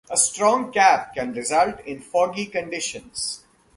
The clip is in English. A strong cap can result in foggy conditions.